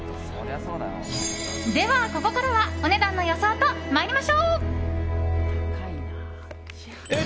では、ここからはお値段の予想と参りましょう。